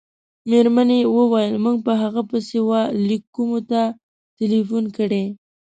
مېرمنې وویل: موږ په هغه پسې وه لېک کومو ته ټېلیفون کړی.